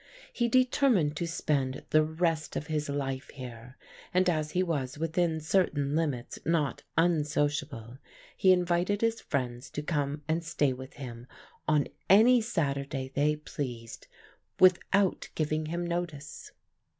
He determined to spend the rest of his life here, and as he was within certain limits not unsociable, he invited his friends to come and stay with him on any Saturday they pleased, without giving him notice.